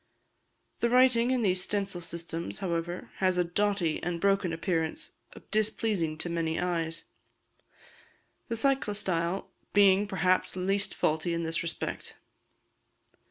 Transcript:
The writing in these stencil systems, however, has a "dotty" and broken appearance, displeasing to many eyes the Cyclostyle being, perhaps, least faulty in this respect.